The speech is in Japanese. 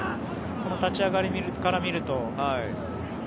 この立ち上がりから見ると。